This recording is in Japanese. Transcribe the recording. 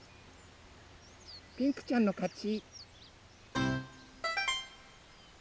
ピンクちゃんのかち！